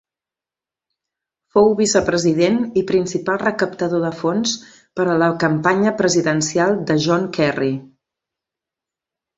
Fou vicepresident i principal recaptador de fons per a la campanya presidencial de John Kerry.